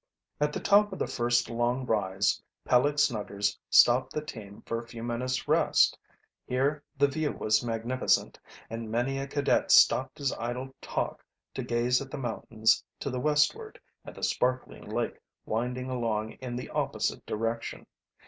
At the top of the first long rise Peleg Snuggers stopped the team for a few minutes' rest. Here the view was magnificent, and many a cadet stopped his idle talk to gaze at the mountains to the westward and the sparkling lake winding along in the opposite direction.